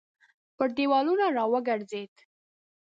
پر دېوالونو راوګرځېد.